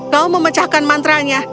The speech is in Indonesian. kau memecahkan mantra nya